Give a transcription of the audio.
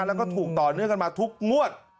แล้วก็ถูกต่อเนื่องกันมาทุกงวด